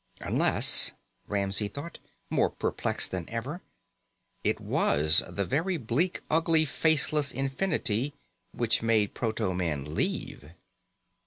Unless, Ramsey thought, more perplexed than ever, it was the very bleak, ugly, faceless infinity which made proto man leave.